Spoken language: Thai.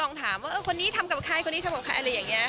ถามว่าคนนี้ทำกับใครคนนี้ทำกับใครอะไรอย่างนี้